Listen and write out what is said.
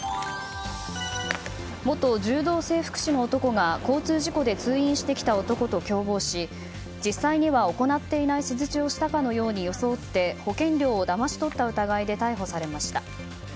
元柔道整復師の男が交通事故で通院してきた男と共謀し実際には行っていない施術をしたかのように装って保険料をだまし取った疑いで逮捕されました。